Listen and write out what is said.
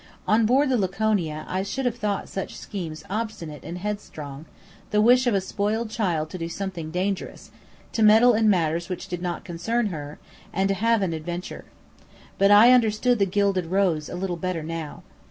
On board the Laconia I should have thought such schemes obstinate and headstrong, the wish of a spoiled child to do something dangerous, to meddle in matters which did not concern her, and to have "an adventure." But I understood the Gilded Rose a little better now.